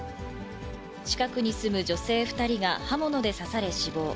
近くに住む女性２人が刃物で刺され死亡。